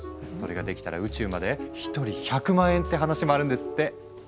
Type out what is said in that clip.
それができたら宇宙まで１人１００万円って話もあるんですって。